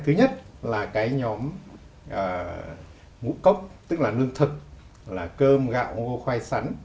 thứ nhất là cái nhóm ngũ cốc tức là lương thực là cơm gạo ngô khoai sắn